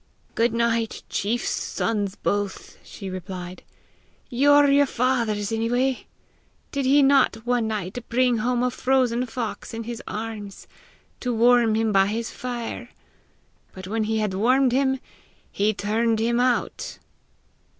"Good night, chiefs sons both!" she replied. "You're your father's anyway! Did he not one night bring home a frozen fox in his arms, to warm him by his fire! But when he had warmed him he turned him out!"